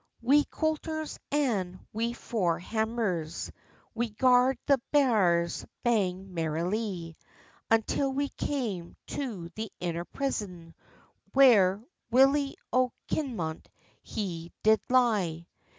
Wi coulters, and wi fore hammers, We garrd the bars bang merrilie, Until we came to the inner prison, Where Willie o Kinmont he did lie.